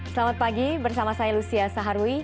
selamat pagi bersama saya lucia saharwi